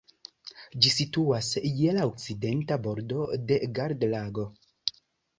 Ĝi situas je la okcidenta bordo de Garda-Lago.